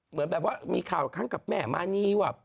เหมือนแบบว่ามีข่าวครั้งกับแม่มานีว่า